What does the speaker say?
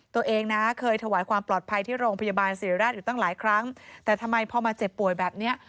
ตัวเองนะเคยถวายความปลอดภัยที่โรงพยาบาลศิริราชอยู่ตั้งหลายครั้งแต่ทำไมพอมาเจ็บป่วยแบบเนี้ย